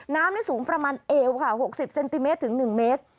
น้ำได้สูงประมาณเอวค่ะ๖๐เซนติเมตรถึง๑เมตร